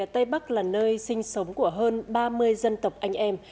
tây bắc là nơi sinh sống của hơn ba mươi dân tộc anh em